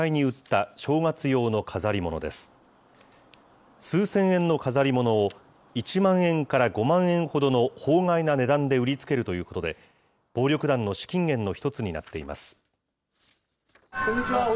数千円の飾り物を１万円から５万円ほどの法外な値段で売りつけるということで、暴力団の資金源の一つになっています。